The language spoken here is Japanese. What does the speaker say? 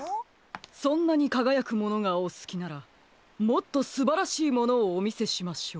そんなにかがやくものがおすきならもっとすばらしいものをおみせしましょう。